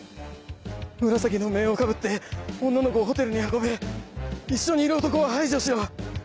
「紫の面をかぶって女の子をホテルに運べ一緒にいる男は排除しろ」。